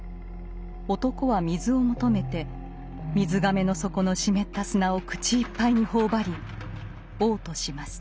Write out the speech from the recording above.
男は水を求めて水甕の底のしめった砂を口いっぱいに頬張り嘔吐します。